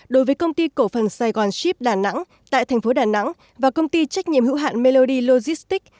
đối với công ty cổ phần saigon ship đà nẵng tại tp đà nẵng và công ty trách nhiệm hữu hạn melody logistics